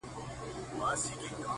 د يويشتمي پېړۍ شپه ده او څه ستا ياد دی!